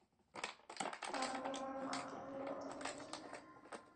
কিন্তু আপনি আমার মাকে নিয়ে কথা বলছিলেন।